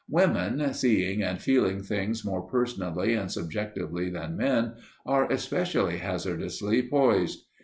Women, seeing and feeling things more personally and subjectively than men, are especially hazardously poised.